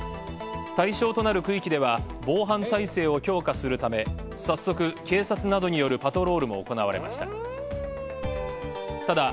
対象となる区域では、防犯態勢を強化するため、早速、警察などによるパトロールも行われました。